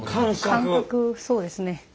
感覚そうですね。